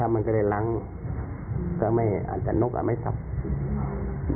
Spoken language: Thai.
มันก็เลยล้างอาจจะนกอาจไม่ทรัพย์